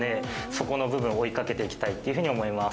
そこの部分を追いかけていきたいっていう風に思います。